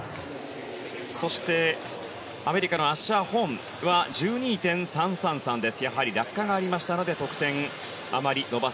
そして、アメリカのアッシャー・ホンは１２．３３３です。